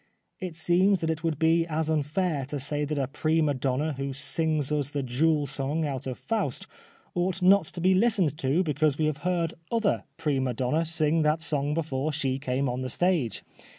It seems that it would be as unfair to say that a prima donna who sings us the Jewel Song out of " Faust " ought not to be listened to because we have heard other prime donne sing that song before she came upon the stage.